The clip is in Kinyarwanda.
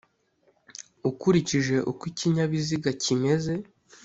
Ukurikije uko ikinyabiziga kimeze